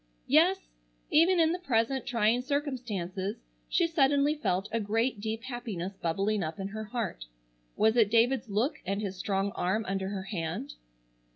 Yes, even in the present trying circumstances she suddenly felt a great deep happiness bubbling up in her heart. Was it David's look and his strong arm under her hand?